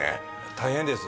大変です